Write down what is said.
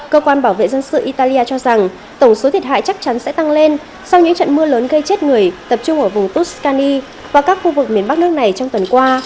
cơ quan bảo vệ dân sự italia cho rằng tổng số thiệt hại chắc chắn sẽ tăng lên sau những trận mưa lớn gây chết người tập trung ở vùng tuscany và các khu vực miền bắc nước này trong tuần qua